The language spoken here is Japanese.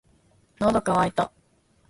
喉乾いた